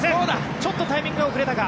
ちょっとタイミングが遅れたか。